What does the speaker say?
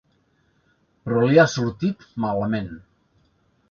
Però li ha sortit malament.